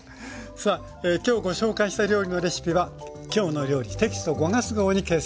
さあ今日ご紹介した料理のレシピは「きょうの料理」テキスト５月号に掲載しています。